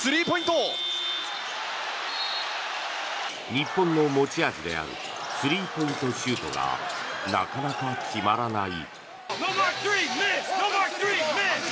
日本の持ち味であるスリーポイントシュートがなかなか決まらない。